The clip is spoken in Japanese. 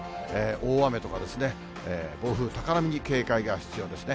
大雨とか暴風、高波に警戒が必要ですね。